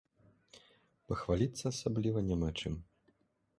Пахваліцца асабліва няма чым.